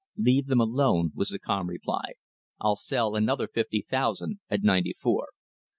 "Let them alone," was the calm reply. "I'll sell another fifty thousand at ninety four."